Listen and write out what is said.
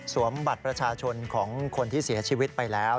บัตรประชาชนของคนที่เสียชีวิตไปแล้ว